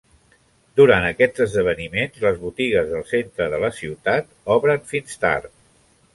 Durant aquests esdeveniments les botigues del centre de la ciutat obren fins tard.